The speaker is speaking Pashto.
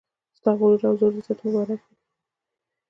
ستا غرور او زور دې تا ته مبارک وي